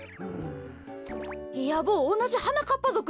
いや坊おなじはなかっぱぞくやろ？